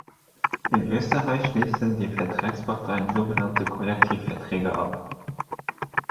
In Österreich schließen die Vertragsparteien sogenannte Kollektivverträge ab.